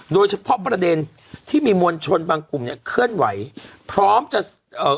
โดยเฉพาะประเด็นที่มีมวลชนบางกลุ่มเนี้ยเคลื่อนไหวพร้อมจะเอ่อ